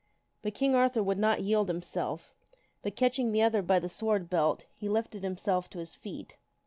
But King Arthur would not yield himself, but catching the other by the sword belt, he lifted himself to his feet.